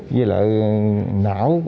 với lại não